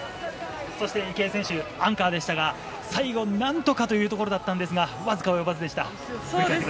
そして池江選手アンカーでしたが最後、何とかというところだったんですがわずか及ばずでした。